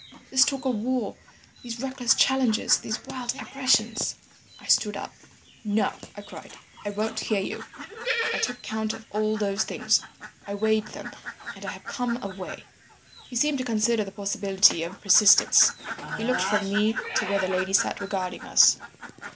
—this talk of war, these reckless challenges, these wild aggressions—' "I stood up. "'No,' I cried. 'I won't hear you. I took count of all those things, I weighed them—and I have come away.' "He seemed to consider the possibility of persistence. He looked from me to where the lady sat regarding us.